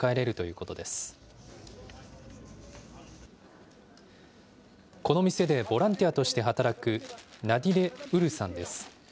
この店でボランティアとして働く、ナディレ・ウルさんです。